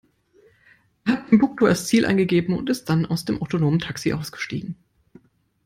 Er hat Timbuktu als Ziel eingegeben und ist dann aus dem autonomen Taxi ausgestiegen.